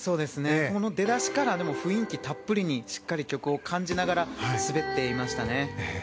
出だしから雰囲気たっぷりにしっかり曲を感じながら滑っていましたね。